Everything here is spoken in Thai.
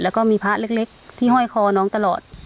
แล้วก็มีพระเล็กที่ห้อยคอน้องตลอด